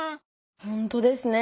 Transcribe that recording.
ほんとですね。